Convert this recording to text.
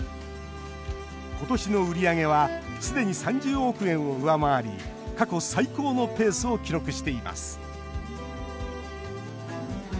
今年の売り上げはすでに３０億円を上回り過去最高のペースを記録しています。